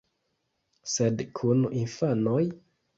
Sed kun infanoj?